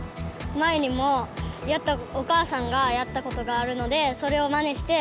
前にもお母さんがやったことがあるので、それをまねして。